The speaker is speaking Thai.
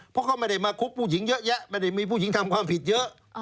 เพราะเขาไม่ได้มาคบผู้หญิงเยอะแยะไม่ได้มีผู้หญิงทำความผิดเยอะ